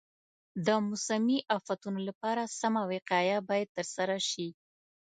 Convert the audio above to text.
د موسمي افتونو لپاره سمه وقایه باید ترسره شي.